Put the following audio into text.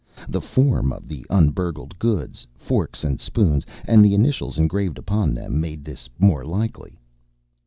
The form of the un burgled goods forks and spoons and the initials engraved upon them, made this more likely.